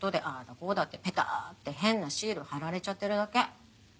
こうだってペタって変なシール貼られちゃってるだけ。